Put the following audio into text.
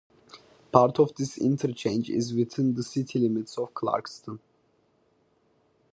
Part of this interchange is within the city limits of Clarkston.